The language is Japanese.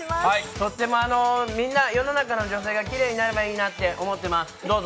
とっても世の中の女性がきれいになればいいなと思ってます、どうぞ。